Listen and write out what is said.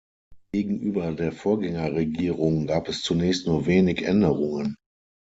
Gegenüber der Vorgängerregierung gab es zunächst nur wenig Änderungen.